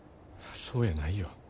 そうやないよ。